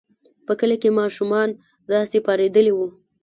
په کلي کې ماشومان داسې پارېدلي وو.